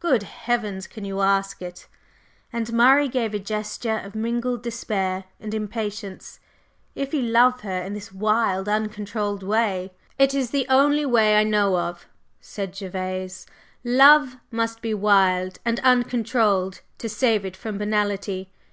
Good Heavens! Can you ask it!" and Murray gave a gesture of mingled despair and impatience. "If you love her in this wild, uncontrolled way …" "It is the only way I know of," said Gervase. "Love must be wild and uncontrolled to save it from banalité.